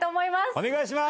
お願いします！